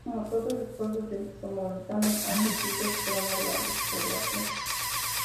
Como todos los pueblos del Somontano, ha sufrido el problema de la despoblación.